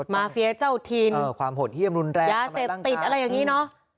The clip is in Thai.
มาเฟียเจ้าถิ่นความโหดเยี่ยมรุนแรงยาเสพติดอะไรอย่างนี้เนอะ